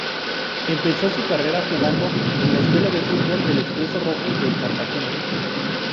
Empezó su carrera jugando en la escuela de fútbol del Expreso Rojo de Cartagena.